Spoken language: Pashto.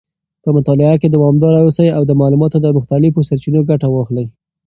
په مطالعه کې دوامداره اوسئ او د معلوماتو له مختلفو سرچینو ګټه واخلئ.